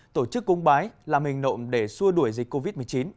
tổ chức cung bái làm hình nộm để xua đuổi dịch covid một mươi chín